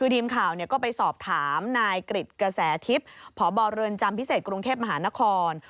ทีมข่าวก็ไปสอบถามนายกริจกระแสทิพย์พบเรือนจำพิเศษกรุงเทพมหานคร